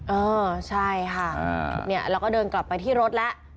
เออใช่ค่ะเนี่ยแล้วก็เดินกลับไปที่รถแล้ว